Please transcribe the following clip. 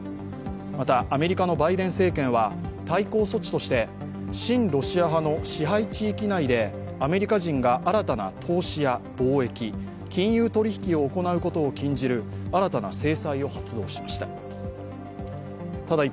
またアメリカのバイデン政権は対抗措置として親ロシア派の支配地域内でアメリカ人が新たな投資や貿易、金融取引を行うことを禁じる新たな制裁を発動しました。